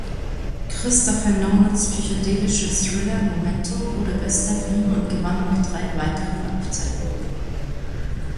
Christopher Nolans psychedelischer Thriller "Memento" wurde bester Film und gewann noch drei weitere Auszeichnungen.